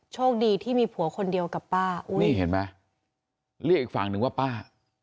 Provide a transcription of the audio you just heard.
โชคดีที่มีผัวคนเดียวกับป้าเฮ้ยเห็นวะแล้วค์ฟางนึงว่าป้า